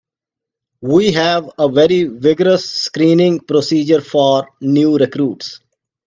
We have a very vigorous screening procedure for new recruits.